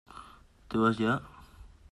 ¿ te vas ya?